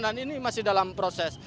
dan ini masih dalam proses